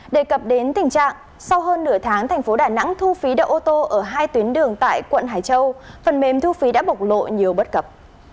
đề cập đến tình trạng sau hơn nửa tháng thành phố đà nẵng thu phí đậu ô tô ở hai tuyến đường tại quận hải châu phần mềm thu phí đã bộc lộ nhiều bất cập